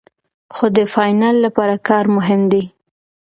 خو د فاینل لپاره کار مهم دی.